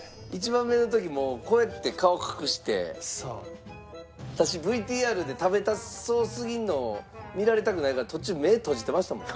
１番目の時もうこうやって顔隠してたしＶＴＲで食べたそうすぎるのを見られたくないから途中目閉じてましたもん。